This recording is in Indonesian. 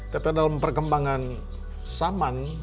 tapi dalam perkembangan zaman